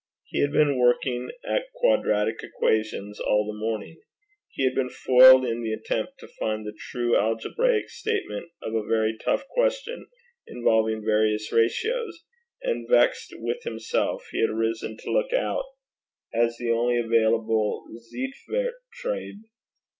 He had been working at quadratic equations all the morning; he had been foiled in the attempt to find the true algebraic statement of a very tough question involving various ratios; and, vexed with himself, he had risen to look out, as the only available zeitvertreib.